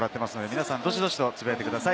皆さん、どしどしとつぶやいてください。